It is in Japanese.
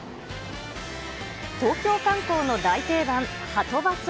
東京観光の大定番、はとバス。